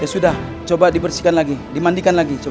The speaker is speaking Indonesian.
ya sudah coba dibersihkan lagi dimandikan lagi coba